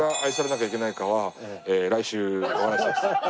来週お話しします。